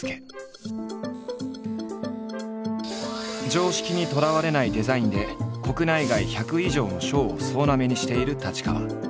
常識にとらわれないデザインで国内外１００以上の賞を総なめにしている太刀川。